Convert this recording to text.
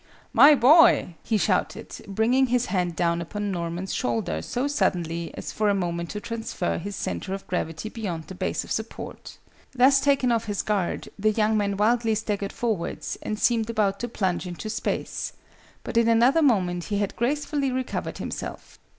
"My boy!" he shouted, bringing his hand down upon Norman's shoulder so suddenly as for a moment to transfer his centre of gravity beyond the base of support. Thus taken off his guard, the young man wildly staggered forwards, and seemed about to plunge into space: but in another moment he had gracefully recovered himself.